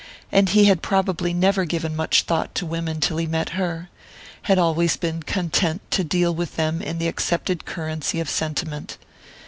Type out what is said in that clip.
And he had probably never given much thought to women till he met her had always been content to deal with them in the accepted currency of sentiment.